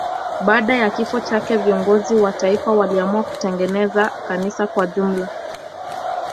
Baada ya kifo chake viongozi wa taifa waliamua kutengeneza kanisa kwa jumla.